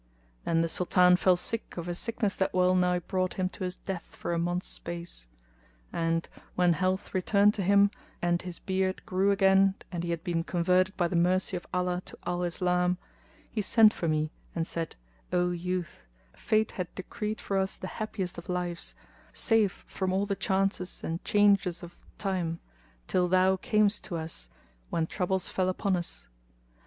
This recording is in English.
Then the Sultan fell sick of a sickness that well nigh brought him to his death for a month's space; and, when health returned to him and his beard grew again and he had been converted by the mercy of Allah to al Islam, he sent for me and said, "O youth, Fate had decreed for us the happiest of lives, safe from all the chances and changes of Time, till thou camest to us, when troubles fell upon us.